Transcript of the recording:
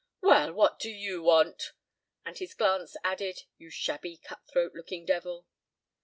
"Well, what d'you want?" And his glance added, "You shabby, cutthroat looking devil!"